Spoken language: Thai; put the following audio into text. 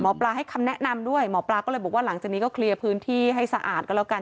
หมอปลาให้คำแนะนำด้วยหมอปลาก็เลยบอกว่าหลังจากนี้ก็เคลียร์พื้นที่ให้สะอาดก็แล้วกัน